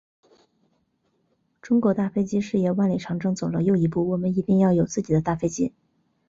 中国大飞机事业万里长征走了又一步，我们一定要有自己的大飞机。